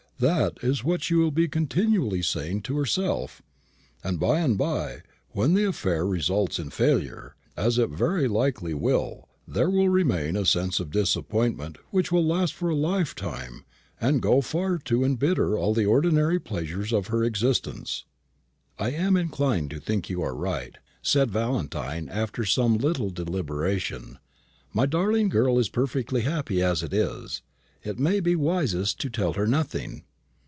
That is what she will be continually saying to herself; and by and by, when the affair results in failure, as it very likely will, there will remain a sense of disappointment which will last for a lifetime, and go far to embitter all the ordinary pleasures of her existence." "I am inclined to think you are right," said Valentine, after some little deliberation. "My darling girl is perfectly happy as it is. It may be wisest to tell her nothing."